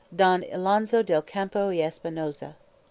"DON ALONSO DEL CAMPO Y ESPINOSA."